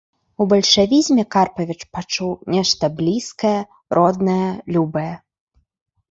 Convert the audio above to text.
У бальшавізме Карпавіч пачуў нешта блізкае, роднае і любае.